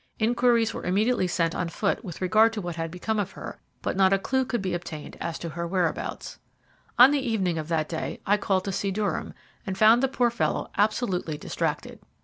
Inquiries were immediately set on foot with regard to what had become of her, but not a clue could be obtained as to her whereabouts. On the evening of that day I called to see Durham, and found the poor fellow absolutely distracted.